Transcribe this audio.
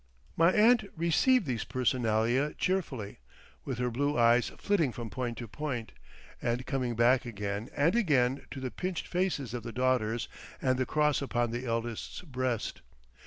My aunt received these personalia cheerfully, with her blue eyes flitting from point to point, and coming back again and again to the pinched faces of the daughters and the cross upon the eldest's breast.